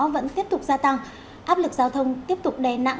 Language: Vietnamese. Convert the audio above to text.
vẫn tiếp tục gia tăng áp lực giao thông tiếp tục đè nặng